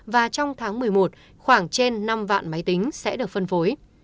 và trong tháng một mươi một khoảng trên năm vạn máy tính sẽ được phân phối